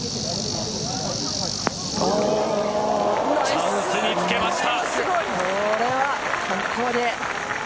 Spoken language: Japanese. チャンスにつけました。